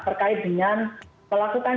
terkait dengan melakukan